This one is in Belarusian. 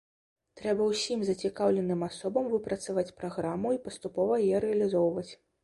Трэба ўсім зацікаўленым асобам выпрацаваць праграму і паступова яе рэалізоўваць.